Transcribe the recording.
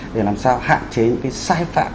để làm sao hạn chế những cái sai phạm